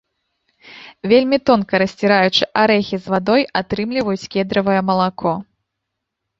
Вельмі тонка расціраючы арэхі з вадой атрымліваюць кедравае малако.